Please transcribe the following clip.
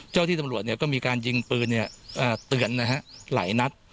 เจ้าที่ตำรวจเนี่ยก็มีการยิงปืนเนี่ยอ่าเตือนนะฮะไหลนัด